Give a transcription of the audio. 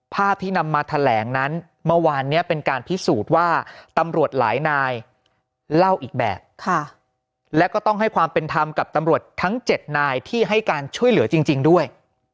ภาพที่นำมาแถลงนั้นเมื่อวานนี้เป็นการพิสูจน์ว่าตำรวจหลายนายเล่าอีกแบบและก็ต้องให้ความเป็นธรรมกับตำรวจทั้ง๗นายที่ให้การช่วยเหลือจริงด้วย